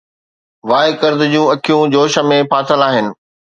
Y ڪرد جون اکيون جوش ۾ ڦاٿل آهن